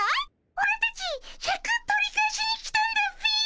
オラたちシャク取り返しに来たんだっピ。